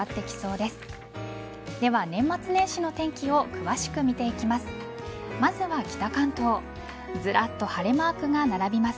では、年末年始の天気を詳しく見ていきます。